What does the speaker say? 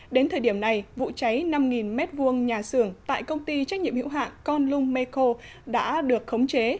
đến thời điểm này vụ cháy năm m hai nhà xưởng tại công ty trách nhiệm hữu hạng conlung meco đã được khống chế